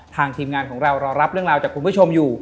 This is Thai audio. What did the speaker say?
ทีมงานของเรารอรับเรื่องราวจากคุณผู้ชมอยู่